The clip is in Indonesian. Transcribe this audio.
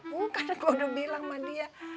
bukan gue udah bilang sama dia